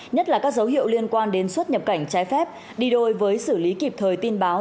nhất là các dấu hiệu liên quan đến xuất nhập cảnh trái phép đi đôi với xử lý kịp thời tin báo